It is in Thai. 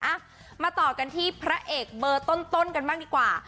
อ่ะมาต่อกันที่พระเอกเบอร์ต้นกันบ้างดีกว่า